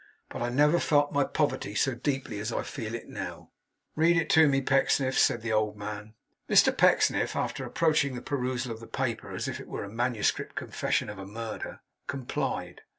But I never felt my poverty so deeply as I feel it now.' 'Read it to me, Pecksniff,' said the old man. Mr Pecksniff, after approaching the perusal of the paper as if it were a manuscript confession of a murder, complied.